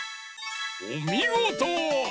おみごと！